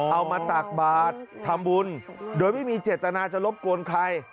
มาตากบาททำบุญโดยไม่มีเจตนาจะรบกวนใคร